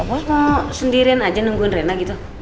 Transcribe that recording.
apa mau sendirian aja nungguin rena gitu